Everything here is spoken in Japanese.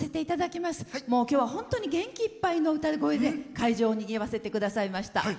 きょうは本当に元気いっぱいの歌声で会場をにぎわせてくださいました。